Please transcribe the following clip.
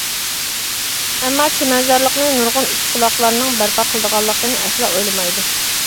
ئەمما، چىمەنزارلىقنى نۇرغۇن ئۈچ قۇلاقلارنىڭ بەرپا قىلىدىغانلىقىنى ئەسلا ئويلىمايدۇ.